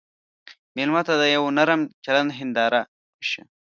مېلمه ته د یوه نرم چلند هنداره شه.